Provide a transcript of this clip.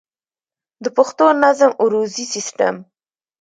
د پښتو نظم عروضي سيسټم